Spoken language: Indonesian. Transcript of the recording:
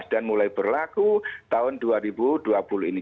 mulai berlaku tahun dua ribu dua puluh ini